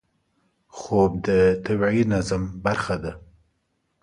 خوب د طبیعي نظم برخه ده